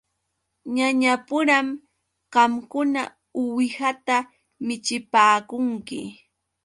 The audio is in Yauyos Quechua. Ñañapuram qamkuna uwihata michipaakunki.